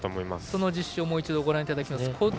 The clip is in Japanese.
その実施をもう一度ご覧いただきます。